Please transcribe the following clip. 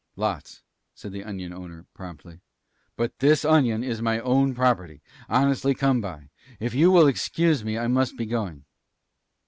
"Lots," said the onion owner, promptly. "But this onion is my own property, honestly come by. If you will excuse me, I must be going."